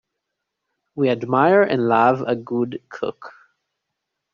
We admire and love a good cook.